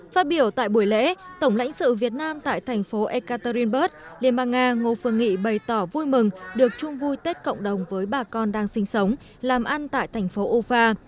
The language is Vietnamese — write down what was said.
phát biểu tại buổi lễ tổng lãnh sự việt nam tại thành phố ekaterinburg liên bang nga ngô phương nghị bày tỏ vui mừng được chung vui tết cộng đồng với bà con đang sinh sống làm ăn tại thành phố ufa